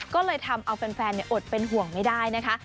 ก็เลยทำเอาแฟนอดเป็นห่วงไม่ได้นะคะ